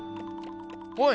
おい！